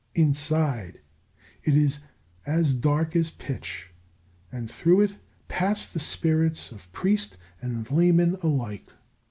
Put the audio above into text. Inside it is as dark as pitch, and through it pass the spirits of priest and layman alike.